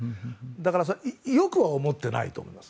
だから、良くは思っていないと思います。